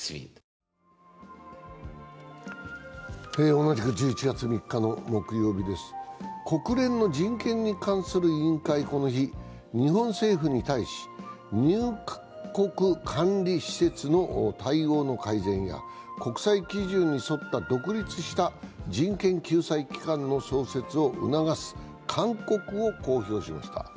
同じく１１月３日の木曜日です国連の人権に関する委員会はこの日日本政府に対し、入国管理施設の対応の改善や国際基準に沿った独立した人権救済機関の創設を促す勧告を公表しました。